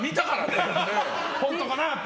ホントかなって。